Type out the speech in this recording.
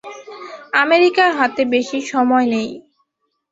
আমেরিকার হাতে বেশি সময় নেই।